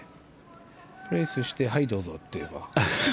リプレースしてはい、どうぞって言えば。